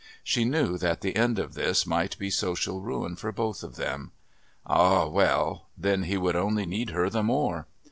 She knew that the end of this might be social ruin for both of them!... Ah, well, then, he would only need her the more!